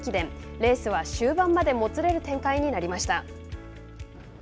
レースは終盤までもつれる展開になりました。